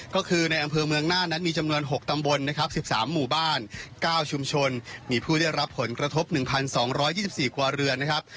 ก็คือในอำเภอเมืองน่านั้นมีจำนวนหกตำบลนะครับสิบสามหมู่บ้านเก้าชุมชนมีผู้ได้รับผลกระทบหนึ่งพันสองร้อยยี่สิบสี่ครัวเรือนนะครับ